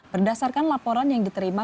berdasarkan laporan yang diterima